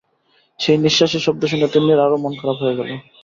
সেই নিঃশ্বাসের শব্দ শুনে তিন্নির আরো মন-খারাপ হয়ে গেল।